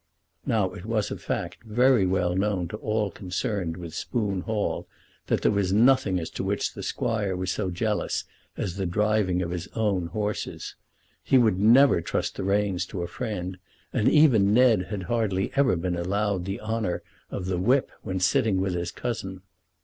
Now it was a fact very well known to all concerned with Spoon Hall, that there was nothing as to which the Squire was so jealous as the driving of his own horses. He would never trust the reins to a friend, and even Ned had hardly ever been allowed the honour of the whip when sitting with his cousin.